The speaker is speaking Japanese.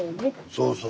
そうそう。